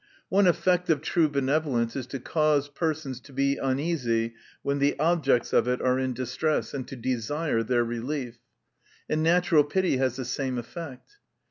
One effect of true benevolence is to cause persons to be uneasy, when the objects of it are in distress, and to desire their relief. And natural pity has the same effect.